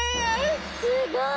すごい！